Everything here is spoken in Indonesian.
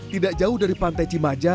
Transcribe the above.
tidak jauh dari pantai cimaja